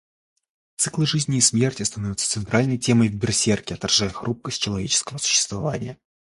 Циклы жизни и смерти становятся центральной темой в Берсерке, отражая хрупкость человеческого существования.